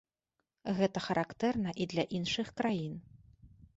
Гэта характэрна і для іншых краін.